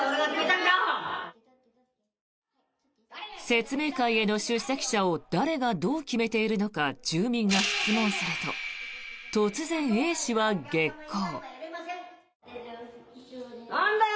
説明会への出席者を誰がどう決めているのか住民が質問すると突然、Ａ氏は激高。